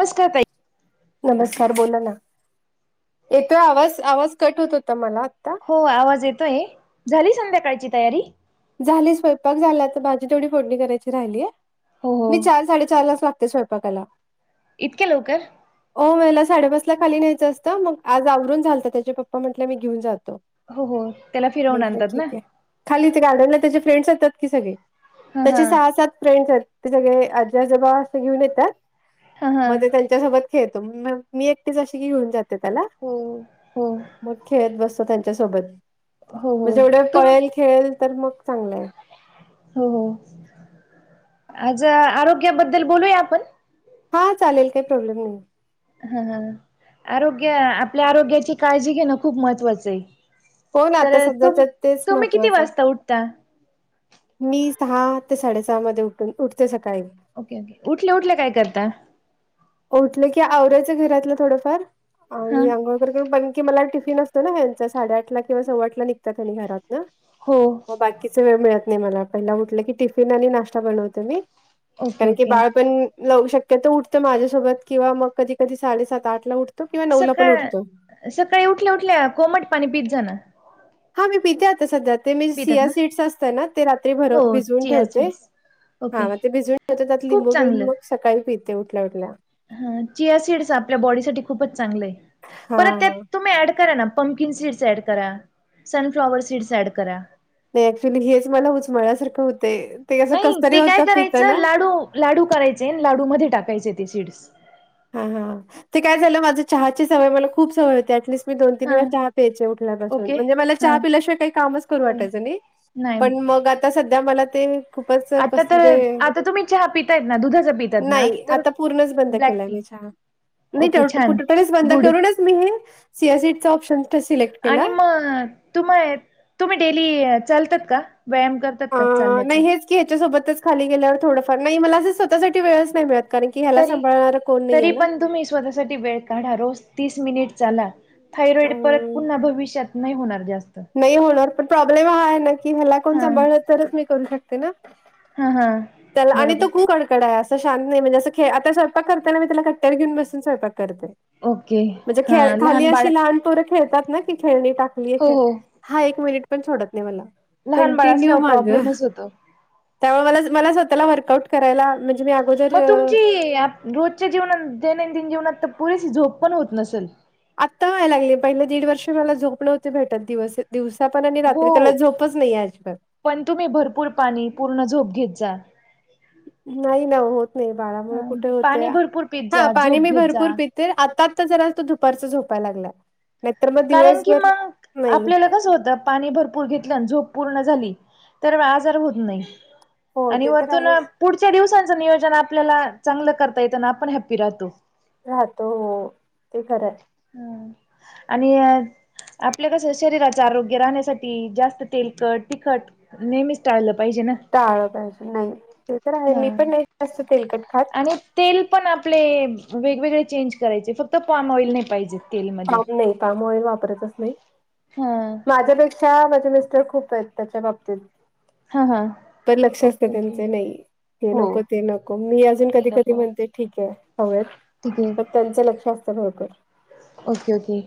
नमस्कार! नमस्कार! बोला ना, येतोय आवाज आवाज कट होत होता मला आता हो आवाज येतोय झाली संध्याकाळची तयारी. झाली स्वयंक झाला तर माझी तेवढी फोडणी करायची राहिलीय हो हो मी चार साडेचार लाच लाग. ते सडप आला. इतक्या लवकर. हो मला साडेपास ला खाली न्यायचं असतं मग आज आवरून झालतं त्याचे पप्पा म्हटलं मी घेऊन जातो. हो हो त्याला फिरवून म्हटलं आणतात ठीक ना. आहे खाली ते गार्डनला त्याचे फ्रेंड्स यतात की सगळे हा त्याचे हा सहा सात फ्रेंड्स आहेत. ते सगळे आजी आजबा असे घेऊन येतात हा हा मग. त्याच्या सोबत खेळो मग मी एकटी अशीीेनातो. त्याला हो हो मग खेळत बसतो त्यांच्या सोबत हो म्हण हो जेवढं. तुम कळेल खेळेल तर मग चांगलं आहे. हो हो आज आरोग्याबद्दल बोलूया आपण. हा चालेल काही प्रॉब्लेम नाही. हा हा आरोग्य आपल्या आरोग्याची काळजी घेणं खूप महत्वाचं आहे. हो ना आता तर सध्या तुम तेच तुम्ही किती महत्त्वाचं आहे. वाजता उठता. मी सहा ते साडेसहा मध्ये उठून उठते सकाळी. ओके ओके उठल्या उठल्या काय करता. उठलं की आवऱ्याचं घरातलं थोडंफार हा आणि आंघोळ ी मला टिफिन असतो नाचां साडे आठला किंवा सव्वाठला निघतात त्याणि घरात न. हो. बाकीच वेळ मिळत नाही मला पहिला उटलं की टिफिन आणि नाश्ता बनवते मी. ओके कारण की ओके बाळपण शक्यत उठतं माझ्यासोबत किंवा मग कधी कधी साडेसात आठ ला उठत. सकाळ सकाळी उठल्या उठल्या कोमट पाणी पिज जा ना. हा मी पिथे आता सध्या ते मी पितात सिया ना? सीट्स असतं ना ते रात्री भर हो भिजवून चिया ठेवते. सीड्स हा ओके मग ते भिजून ठ त्यात खूप लिंबू बिळून चांगलं. मग सकाळी पििते उठल्या उठल्या. हा चचीसिड्स आपल्या बॉडी सा खूपच चांगले आहे परत ते हां. तुम्ही ऍड करा ना. पमकीिन सीड्स ऍड करा सनफ्लाॉवर सीड्स ऍड करा. नाही ऍक्च्युली हेच मला उचमळल्यासारखं होते ते असं नाही कसरी ते काय होतं करायचं पिताना. लाडू लाडू करायचे लाडूमध्ये टाकायचे ते सीड्स. हा हा ते काय झालं माझ्या चहाची सवय मला खूप सवय होते ऍटलीिस्ट. मी दोन तीन हा वेळा चहा प्यायचे उठल्यापासून ओके म्हणजे मला हा चहा पिल्याशिवायही कामच करू हो. वाटायचं नाही. पण नाही. मग आता सध्या मला ते. खूपच आता कस तर म्हणजे आता तुम्ही चहा पितायत ना दुधाचा पितात ना नाही तर आता पूर्णच बंद. ब्लॅक केलाय टी ओके छान बंद गुड करूनच मी हे सीस प्शन. आणि मग तुम्हा तुम्ही डेली चालतात का व्यायाम कर अ, नाही चालण्याचा. हेच की याच्यासोबतच खाली गेल्यावर थोडंफार नाही मला असं स्वतःसाठी वेळच नाही मिळत. कारण की ह्याला सांभाळणार कोण नाहीे ना. तुही स्वतः वेळ काढा रोज तीस मिनिट चाला अ, थायरॉइड परत पुन्हा भविष्यात नाही होणार जास्त. नाही होणार पण प्रॉब्लेम हा आहे ना की ह्याला कोण हा सांभाळलं तरच मी करू शकते ना. हम हम. त्या आणि तो खूप कडा असं शांत नाही म्हणजे असं आता स्वयंक करताना मी त्याला कट्ट्यार घेन बसून स्वयंक करते. ओके म्हणजे हा खेळ खाली लहान बाळ अशी लहानपोरं खेळतात ना. खेळणी टाकलीय हो खेळ हो हा एक मिनिट पण सोडत नाही मला. लहान बाळ कंटिन्यू असल्यावर माग. प्रॉब्लेमच होतो त्यामुळे मला मला स्वतःला वर्कआउट करायला म्हणजे मी अगोदर मग तुमची आप- रोजच्या जीवनात दैनंदिन जीवनात तर पुरेसे झोप पण होत नसेल. आत्ता हय लागले पहिले दीड वर्ष मला झोपले होते भेटत दिवस दिवसा पण आणि रात्री हो त्याला झोपच नाहीये आजिबात. पण तुम्ही भरपूर पाणी पूर्ण झोप घेत जा. नाही ना होत नाही बाळामुळे कुठे होते पाणी भरपूर पित हा जा पाणी झोप मी घेत भरपूर जा पीते. तर आता तर जरा तो दुपारचा झोपाय लागलाय. कारण की मग नाही आपल्याला कस होतं. पाणी भरपूर घेतल्यान झोप पूर्ण झाली तर व आजार होत नाही. हो आणि ते तर वरतून आहेच पुढच्या दिवसांचं नियोजन आपल्याला चांगलं करता येतना आपण हॅप्पी राहतो. राहतो हो ते खरंय. हम् आणि अ आपल्या कसं शरीराच आरोग्य राहण्यासाठी जास्त तेलकट तिखट नेहमीच टाळलं पाहिजे ना. टाळ पाहिजे नाही ते तर आहे मी हा. पण नाही जास्त तेलकट खात. आणि तेल पण आपले वेगवेगळे चेंज करायचे फक्त पाॉम ऑइल नाही पाहिजे. तेलमध्ये कााम नाही काम ऑइल वापरतच नाही. हा. माझ्यापेक्षा माझे मिस्टर खूप आहेत त्याच्या बाबतीत. हा हा. पण लक्ष असतं ओके ओके त्यांचं नाही. हे हो नको ते नको मी अजून कधी तीन कधी प म्हणते ठीके आहे हवेत. ठीक मग आहे त्यांचं लक्ष असतं बहुतेक ओके ओके.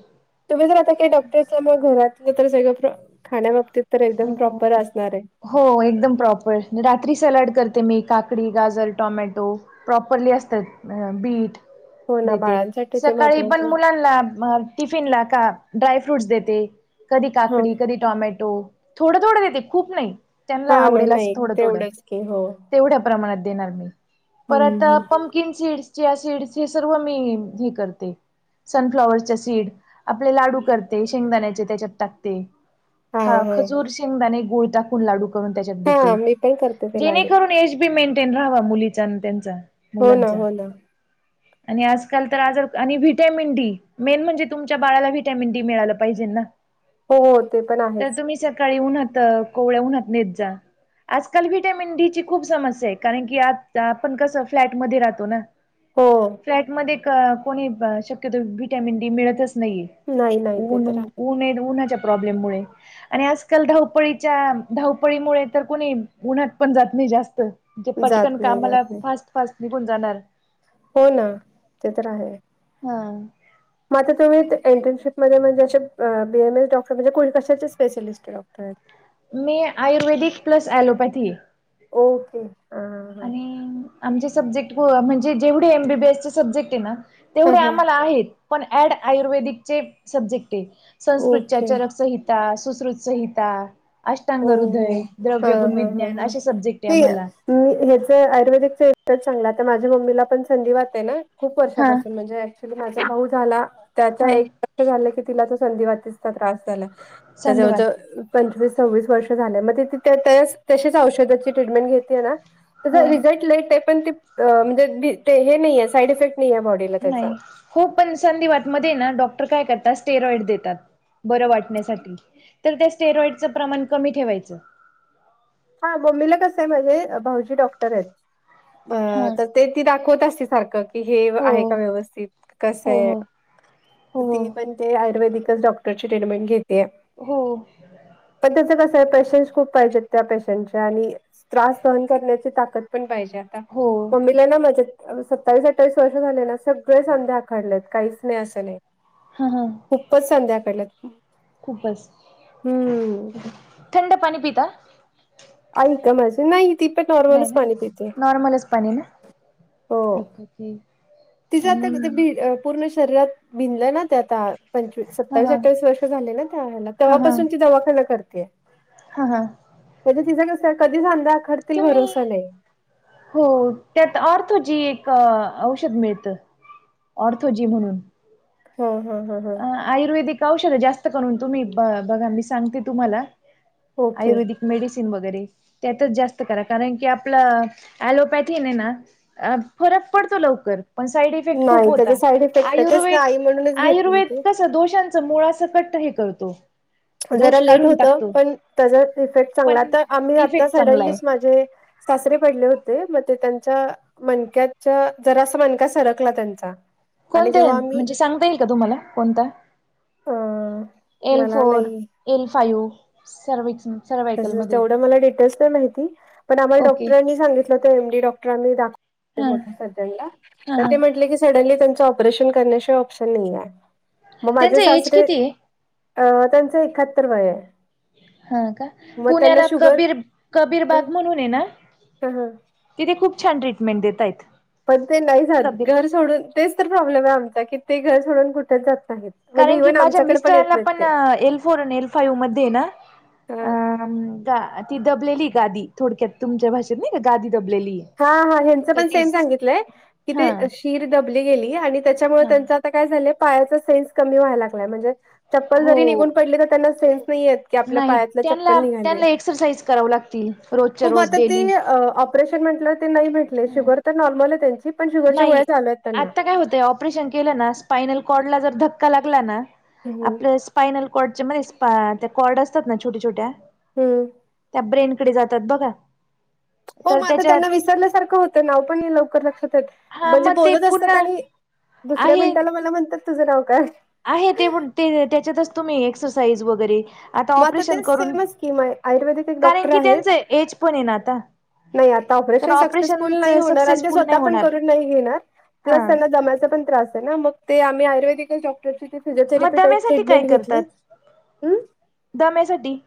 तुम्ही जर आता काही डॉक्टरस मग घरातलं तर, सगळं खाण्या बाबतीत तर एकदम प्रॉपर असणार ए हो एकदम प्रॉपर रात्री सलाड करते. मी काकडी, गाजर, टोमॅटो प्रॉपरली असतात अ बीट हो ना देते. बाळांसाठी ते सकाळी पण महत्त्वाचं आहे. मुलांना अ टिफिन ला का ड्राय फ्रूट्स देते. कधी हा काकडी, कधी टॉमॅटो थोडं थोडं देते. खूप नाही त्यांना हा ना आवडेल असं नाही थोडं थोडं. तेवढंच की हो तेवढ्या प्रमाणात देणार मी परत अ हम्म पण किन सीड् चिया सीडस हे सर्व मी हे करते. सनफ्लॉवरर्सचे सीड, आपले लाडू करते शेंगदाण्याचे त्याच्यात टाकते. ख हम् हा खजूर, शेंगदाने, गूळ टाकून लाडू करून त्याच्यात हा देते, हा मी पण करते ते लाडू जेणेकरून एज तुम्ही मेंटेन रहावा मुलीचा आणि त्यांच्या हो ना मुलांच्या. हो ना आणि आजकाल तर आज आणि व्हिटॅमिन डी, मेन म्हणजे तुमच्या बाळाला व्हिटॅमिन डी मिळालं पाहिजे ना. हो हो ते पण तर आहेच. तुम्ही सकाळी उन्हात कोवळ्या उन्हात नेत जा. आजकाल व्हटॅमिन डी ची खूप समस्या आहे, कारण की आज आपण कसं फ्लॅटमध्ये राहतो ना. हो फ्लॅट मध्ये कोणी शक्यतो वि्हटॅमिन डी मिळतच नाहीये. नाही नाही ते ऊन तर होवू नये उन्हाच्या प्रॉब्लेम मुळे आणि आजकाल धावपळीच्या धावपळीमुळे तर, कोणी उन्हात पण जात नाही जास्त म्हजे आहे पटकन जात नाही जात कामाला नाही फास्ट फास्ट निघून जाणार हो ना ते तर आहेच. हा. म आता तुम्ही एंटर्नशिपमध्ये म्हणजे असे, B A M S doctor म्हणजे कु कशाचे स्पेशालिस्ट? डॉक्टर्स मी आयुर्वेदिक प्लस ए ॲलोपॅथी ओके. हा हा. आणि आमचे सब्जेक्ट ब म्हणजे जेवढे M B B S subject आहे ना. हा तेवढे हा आम्हाला आहेत, पण ऍड आयुर्वेदिकचे सब्जेक्ट आहेत संस्कृतच्या ओके चरनक्षहित त्या सुश्रुत संहिता अष्टांग ओ हृदय, हा द्रव्य गुण हा हा विज्ञान, हा. अशे सब्जेक्ट आहे ते आम्हाला मी हेच आयुर्वेदिकचा इफेक्ट चांगला तर, माझ्या मम्मीला पण संधीवात हाय ना. खूप हा वर्षापासून म्हणजे ऍक्च्युली माझा भाऊ झाला त्याचा हा एक वर्ष झाला की तिला तो, संधीवाताचा त्रास झाला जवळ संधिवात जवळ पंचवीस सव्वीस वर्ष झाले मग ते तशीच औषधाची ट्रीटमेंट घेतेय ना. हो त्याचा रिझल्ट लेट आहे पण ते म्हणजे हे नाही आहे, साईड इफेक्ट नाही आहे बॉडीला त्याचा नाही. हो पण संधी वातमध्ये हाए ना डॉक्टर काय करतात? स्टेरॉइड देतात बरं वाटण्यासाठी तर त्या स्टेरॉइडचं प्रमाण कमी ठेवायचं. हा मम्मीला कसं हाय म्हंजे भाऊजी डॉक्टर आहेत अ हा तर ते ती दाखवत असते सारखं कि हे हो आहे का व्यवस्थित हो कसय हो हो ते पण ते आयुर्वेदिकच डॉक्टर तिकडची ट्रीटमेंट घेत आहे. हो. पण त्याच कसं आहे पेशन्स खूप पाहिजेत. त्या पेशंटच्या आणि त्रास सहन करण्याची ताकद पण पाहिजे आता हो. मम्मी ला ना माझ्या त सत्तावीस अठ्ठावीस वर्ष झाले ना, सगळे सांधे आकाडलेत काहीच नाही असं नाही. हा हा. खूपच संध्या केलेत. खूपच, थंड पाणी पिता. आई का माझी नाही ती पण नाही नॉर्मलच ना पाणी पिते, नॉर्मलच हो. हम. तिज आता ग भि पूर्ण शरीरात भिनलंय ना ते आता. पंचवीस हा सत्तावीस हा अठ्ठावीस वर्ष झाले त्या हेला हा हा तेव्हापासून ती दवाखाना करतय. हा हा. कधी तिज कस कधी सांधा आखडतील तुम्ही भरोसा नाही. हो त्यात आर्थोजी एक औषध मिळत. ऑर्थोजी म्हणून. हा हा हा हा. आयुर्वेदिक औषध जास्त करून तुम्ही ब बघा मी सांगते तुम्हाला, ओके आयुर्वेदिक. मेडिसिन वगैरे, त्यातच जास्त करा कारण की आपल, ऍलोपॅथी ने ना फरक पडतो लवकर पण साईड इफेक्ट खूप नाही त्याचे होता, साईड इफेक्ट आहे तेच ना आयुर्वेद, आई म्हणूनच घेत आयु नाही ते दोषांच मुळा सकट हे करतो. जरा दोष लेट काढून होत टाकतो पण त्याजा इफेक्ट चांगला पण तर आम्ही आता इफेक्ट चांगला आहे सडनलीच माझे सासरे पडले होते म ते त्यांच्या मणक्याच्या जरा सा मणका सरकला त्यांचा. आणि जेव्हा कोणत्यान आम्ही म्हणजे सांगता येईल का तुम्हाला कोणता, अ एल मला फोर नाही एल फाव्ह, सर्विकस. तसच तेवढं मला डिटेल्स नाही माहिती, पण आमला ओके डॉक्टरांनी सांगितलं तर एम डी डॉक्टरांनी दाखव हा मोठ सजायला, हा तर हा ते म्हटले की सडनली त्यांचं ऑपरेशन करण्याशिवाय ऑप्शन नाहीये, म माझे त्यांचा एज सासरे किती आहे अ त्यांच एकाहत्तर वय आहे. हा का, मग त्यांना पुण्याला शुगर कबीर, कबीर ह बाग म्हणून आहे ना. ह तिथे खूप छान ट्रीटमेंट देता येत. पण ते नाही जात घर सोडून तेच तर प्रॉब्लेम आहे आमचा की ते घर सोडून कुठेच जात नाहीत. म्हणजे कारण की इव्हन माझ्या आमच्याकडे येत मिस्टरला नाहीत पण ते एल फोर आणि एल फाइव्ह मध्ये ना अं गा ती दबलेली गादी थोडक्यात तुमच्या भाषेत नाही का गादी दबलेलीय. हा हा ह्यांचं पण सेम सांगितलंय, कि हा ते शिर दबली गेली आणि त्याच्यामुळे हा त्यांचा आता काय झालय पायाचा साईज कमी व्हाय लागलाय म्हणजे, चप्पल हो जरी निघून पडली तर त्यांना साईज नाही येत. की आपल्या नाही पायातल चप्पल त्यांना निघाली आहे, त्यांना एक्सरसाइज कराव लागतील रोजच्या हो रोज आता ते डेली म्हटल ते नाही भेटले शुगर तर नॉर्मल आहे त्यांची पण शुगरच्या गोळ्या नाही चालू आहेत त्यांना. आता काय होतंय ऑपरेशन केलं ना स्पाइनलकॉर्डला जर धक्का लागलाना, हम्म आपल स्पाइनल कॉर्डच्यामध्ये स्पा त्या कॉर्ड असतात ना छोट्या छोट्या. हम्म. त्या ब्रेनकडे जातात बघा. हो तर म आता त्याच्यात त्यांना विसरल्यासारखं होतं नाव पण नई लवकर लक्षात येत. हा म्हणजे मग ते बोलत असतात पूर्ण आणि, दुसऱ्या आहे मिनटाला मला म्हणतात तुझं नाव काय? आहे ते [unintelligible] त्याच्यातच तुम्ही एक्सरसाईज वगैरे आता मग ऑपरेशन ते करून, सेमच की म आयुर्वेदिक एक कारण डॉक्टर की आहेत त्यांचं एज पण आहे ना आता. नाही आता तर ऑपरेशन सक्सेसफुल नाही होणार आणि ते सक्सेसफुल स्वतः नाही पण होणार करून नाही घेणार. हा प्लस त्यांना दम्याचा पण त्रास आहे ना मग ते आम्ही आयुर्वेदिक डॉक्टरची मग फिजिओथेरपी टाईप दम्यासाठी ट्रीटमें काय करतात घेतली, हम. दम्यासाठी.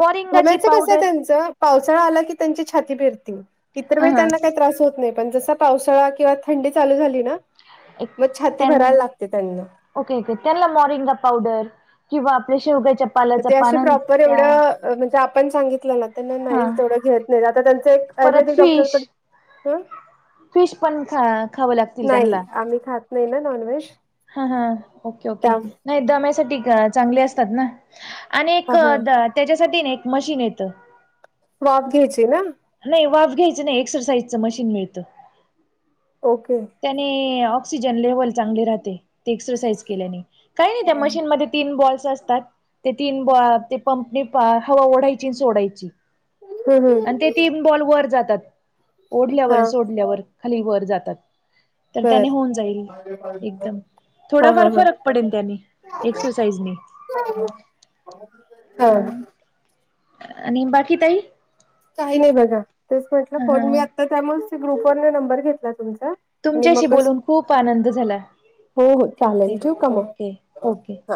मोरिंगाची दम्याचं कसं आहे पावडर त्यांच पावसाळा आला की त्यांची छाती पिरती, इतर हा वेळी हा त्यांना काही त्रास होत नाही. पण जसा पावसाळा किंवा थंडी चालू झाली ना, एक म छाती त्यां भरायला लागते त्यांना. ओके ओके त्यांना मॉरिंगा पावडर, किंवा आपल्या शेवग्याच्या पालाच्या ते असे प्रॉपर पानांचा एवढं म्हणजे आपण सांगितलं ना त्यांना नाही हा तेवढं घेत नाही आता त्यांचं एक परत आयुर्वेदिक फिश डॉक्टरकडं, [unintelligible] फिश पण खा खावं लागतील नाही त्यांना. आम्ही खात नाही ना नाॅनव्हेज. हा हा. Okay okay. नाही दम्यासाठी चांगले असतात ना. आणि एक हा द त्यांच्यासाठी ना एक मशीन येतं. वाफ घ्यायची ना? नाही, वाफ घ्यायच नाही. एक्सरसाईजचं मशीन मिळतं. ओके. त्याने ऑक्सिजन लेव्हल चांगली राहते. ते एक्सरसाईज केल्याने. काही नाही त्या हम् मशीनमध्ये तीन बॉल्स असतात. ते तीन ते पंपनी हवा ओढायची सोडायची. हम् आणि ते तीन बॉल वर जातात, ओढल्यावर हा आणि सोडल्यावर खाली वर जातात. तर त्याने बर होऊन जाईल. एकदम. हा हा थोडाफार हा फरक पडेल त्यानी एक्सरसाइजनी. हा. हम्म. आणि बाकी ताई. काही नाही बघा. तेच म्हंटलं हा हा फोन. मी आता त्यामुळे ते ग्रुपवरन नंबर घेतला तुमचा. आणि तुमच्यांशी मग बोलून खूप आनंद झाला. हो हो चालेल ठेवते. ठेवू का मग ओके ओके. हा